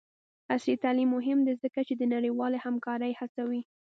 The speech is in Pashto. عصري تعلیم مهم دی ځکه چې د نړیوالې همکارۍ هڅوي.